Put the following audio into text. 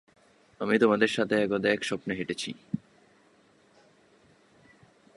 আমি তোমার সাথে একদা এক স্বপ্নে হেঁটেছি।